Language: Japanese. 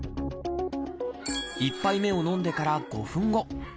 １杯目を飲んでから５分後。